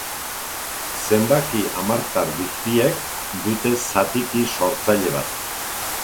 Zenbaki hamartar guztiek dute zatiki sortzaile bat.